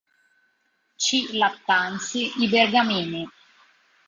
C. Lattanzi, "I Bergamini.